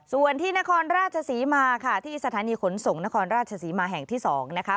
ส่วนที่นครราชศรีมาค่ะที่สถานีขนส่งนครราชศรีมาแห่งที่๒นะคะ